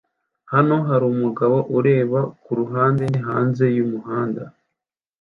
Hano harumugabo ureba kuruhande hanze yumuhanda